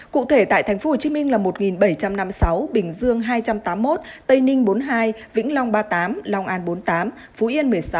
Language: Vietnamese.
cụ thể tại tp hcm là một bảy trăm năm mươi sáu bình dương hai trăm tám mươi một tây ninh bốn mươi hai vĩnh long ba mươi tám long an bốn mươi tám phú yên một mươi sáu